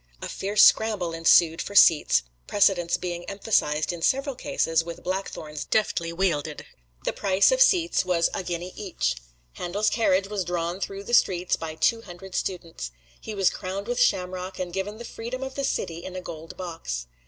A fierce scramble ensued for seats, precedence being emphasized in several cases with blackthorns deftly wielded. The price of seats was a guinea each. Handel's carriage was drawn through the streets by two hundred students. He was crowned with shamrock, and given the freedom of the city in a gold box.